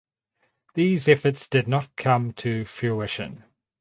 These efforts did not come to fruition.